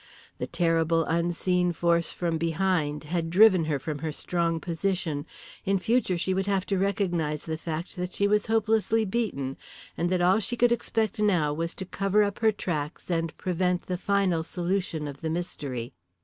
The terrible unseen force from behind had driven her from her strong position. In future she would have to recognize the fact that she was hopelessly beaten, and all that she could expect now was to cover up her tracks and prevent the final solution of the mystery.